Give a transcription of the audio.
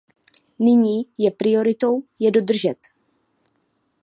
Nyní je prioritou je dodržet.